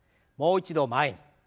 もう一度前に。